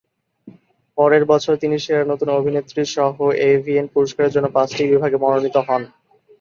পরের বছর তিনি "সেরা নতুন অভিনেত্রী" সহ এভিএন পুরস্কারের জন্য পাঁচটি বিভাগে মনোনীত হন।